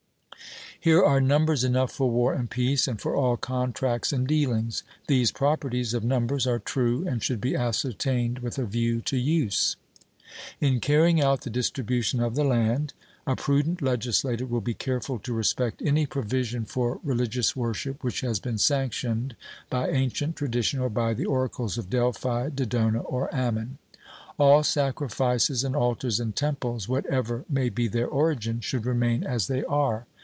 Here are numbers enough for war and peace, and for all contracts and dealings. These properties of numbers are true, and should be ascertained with a view to use. In carrying out the distribution of the land, a prudent legislator will be careful to respect any provision for religious worship which has been sanctioned by ancient tradition or by the oracles of Delphi, Dodona, or Ammon. All sacrifices, and altars, and temples, whatever may be their origin, should remain as they are.